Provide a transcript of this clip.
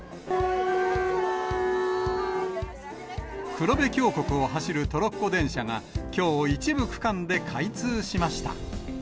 黒部峡谷を走るトロッコ電車がきょう、一部区間で開通しました。